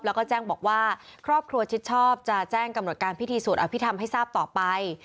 แล้วก็แจ้งบอกว่าครอบครัวชิดชอบจะแจ้งกำหนดการพิธีสวดอภิษฐรรมให้ทราบต่อไป